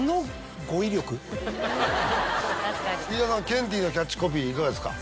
ケンティーのキャッチコピーいかがですか？